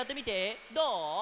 どう？